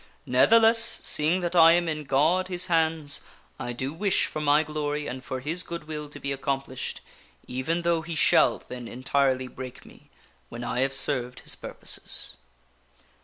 Ne'theless, seeing that I am in God His hands, I do wish for my glory and for His good will to be accomplished even though He shall then entirely break me when I have served His purposes."